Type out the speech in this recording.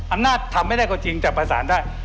อำนาจทำไม่ได้ก็จริงแต่ประสานได้